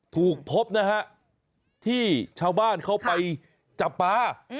ถูกพบนะฮะที่ชาวบ้านเขาไปจับปลา